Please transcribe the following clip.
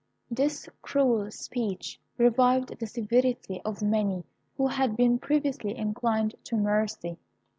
"This cruel speech revived the severity of many who had been previously inclined to mercy.